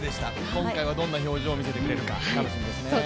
今回はどんな表情を見せてくれるか、楽しみですね。